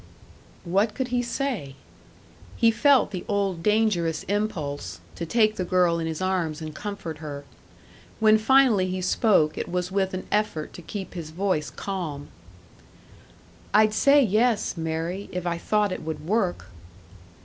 What could he say? He felt the old dangerous impulse to take the girl in his arms and comfort her. When finally he spoke it was with an effort to keep his voice calm. "I'd say yes, Mary, if I thought it would work."